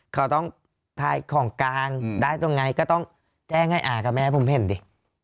เขาต้องทายของกลางได้ตรงไงก็ต้องแจ้งให้อากับแม่ผมเห็นดิ